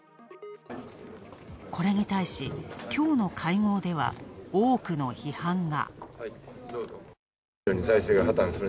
これに対し、今日の会合では、多くの批判が。